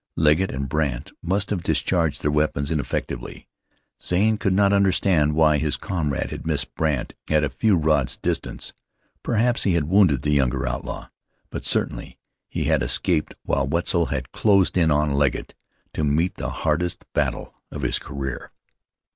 Legget and Brandt must have discharged their weapons ineffectually. Zane could not understand why his comrade had missed Brandt at a few rods' distance. Perhaps he had wounded the younger outlaw; but certainly he had escaped while Wetzel had closed in on Legget to meet the hardest battle of his career.